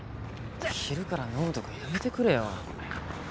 昼から飲むとかやめてくれよ。